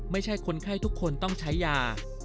ไม่ใช่คนไข้ทุกคนต้องใช้ยา